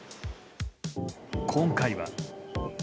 今回は。